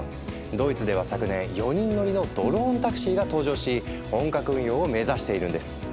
ドイツでは昨年４人乗りのドローンタクシーが登場し本格運用を目指しているんです。